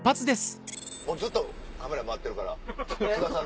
ずっとカメラ回ってるから津田さん